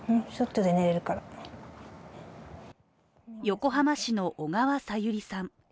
横浜市の小川さゆりさん。